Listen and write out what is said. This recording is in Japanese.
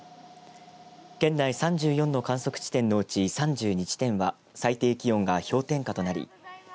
県内３４の観測地点のうち３２地点は最低気温が氷点下となり